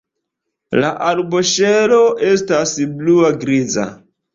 La arboŝelo estas blua-griza.